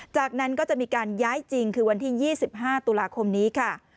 จากนั้นก็จะมีการย้ายจริงคือวันที่๒๕ตุลาคมนี้ค่ะ